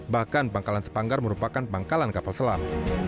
bahkan pangkalan sepanggar merupakan pangkalan kapal selam